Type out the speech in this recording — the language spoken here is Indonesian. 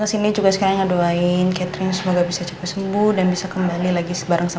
kesini juga sekarang ngedoain catherine semoga bisa cepat sembuh dan bisa kembali lagi sebarang